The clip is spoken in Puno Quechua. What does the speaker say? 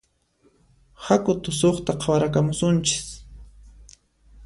Haku tusuqta qhawarakamusunchis